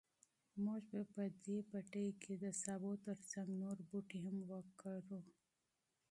موږ به په دې پټي کې د سابو تر څنګ نور بوټي هم وکرو.